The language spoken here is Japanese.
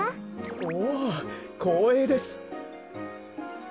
おおこうえいです。